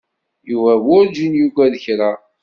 Yuba werǧin yuggad kra.